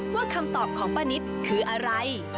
คำตอบของป้านิตคืออะไร